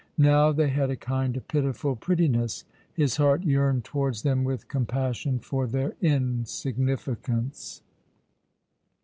Now they had a kind of pitiful pretti ness. His heart yearned towards them with compassion for their insignificance.